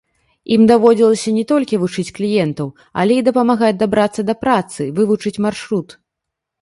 Ім даводзілася не толькі вучыць кліентаў, але і дапамагаць дабрацца да працы, вывучыць маршрут.